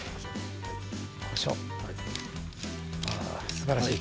すばらしい。